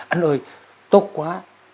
anh ơi tốt quá